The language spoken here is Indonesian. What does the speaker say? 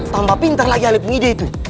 tambah pintar lagi alipung ide itu